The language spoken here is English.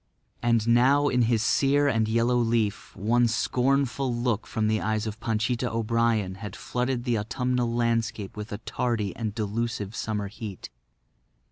And now in his sere and yellow leaf one scornful look from the eyes of Panchita O'Brien had flooded the autumnal landscape with a tardy and delusive summer heat.